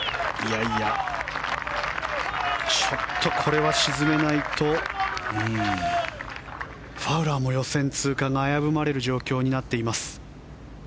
ちょっとこれは沈めないとファウラーも予選通過が危ぶまれる状況になっています。